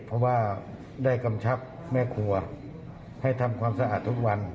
เพราะว่าได้กำชับแม่ครัวให้ทำความสะอาดทุกวัน